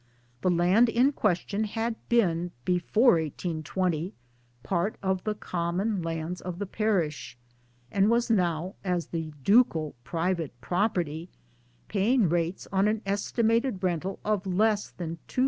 The land RURAL CONDITIONS ,295 in question had before 1820 been part of the Common Lands of the parish, and was now, as the ducal private property, paying rates on an estimated rental of less than 2s.